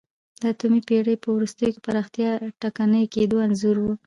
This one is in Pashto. د اتمې پېړۍ په وروستیو کې پراختیا ټکنۍ کېدو انځور و